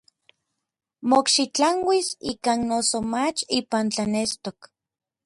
Mokxitlanuis ikan noso mach ipan tlanestok.